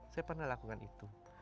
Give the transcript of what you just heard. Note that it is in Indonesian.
saya pernah lakukan itu